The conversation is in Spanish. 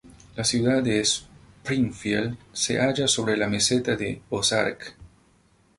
La ciudad de Springfield se halla sobre la meseta de Ozark.